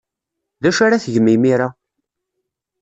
D acu ara tgem imir-a?